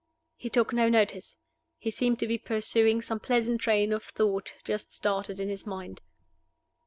He took no notice. He seemed to be pursuing some pleasant train of thought just started in his mind.